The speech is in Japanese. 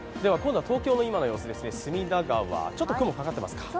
東京の今の様子、隅田川ちょっと雲がかかっていますか。